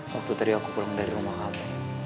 waktu tadi aku pulang dari rumah kamu